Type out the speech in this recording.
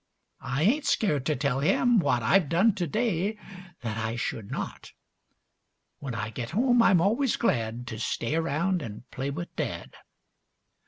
I ain't scared to tell him what I've done to day that I should not; When I get home I'm always glad To stay around an' play with Dad.